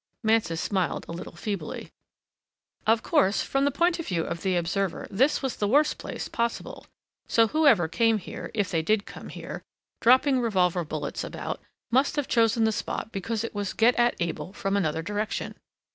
Mansus smiled a little feebly. "Of course from the point of view of the observer this was the worst place possible, so whoever came here, if they did come here, dropping revolver bullets about, must have chosen the spot because it was get at able from another direction.